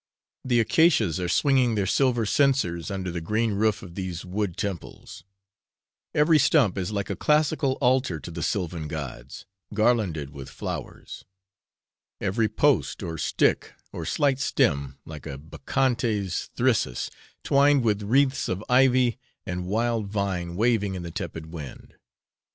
The accacuas are swinging their silver censers under the green roof of these wood temples; every stump is like a classical altar to the sylvan gods, garlanded with flowers; every post, or stick, or slight stem, like a Bacchante's thyrsus, twined with wreaths of ivy and wild vine, waving in the tepid wind.